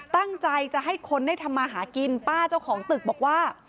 ตั้งใจจะให้คนได้ทำมาหากินป้าเจ้าของตึกบอกว่า